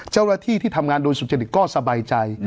เจ้าหน้าที่ที่ทำงานโดยสุจริตก็สบายใจ